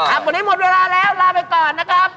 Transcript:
วันนี้หมดเวลาแล้วลาไปก่อนนะครับ